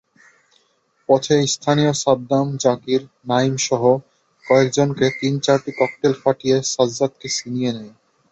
পথে স্থানীয় সাদ্দাম, জাকির, নাঈমসহ কয়েকজন তিন-চারটি ককটেল ফাটিয়ে সাজ্জাদকে ছিনিয়ে নেয়।